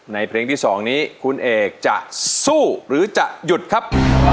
เพลงที่๒นี้คุณเอกจะสู้หรือจะหยุดครับ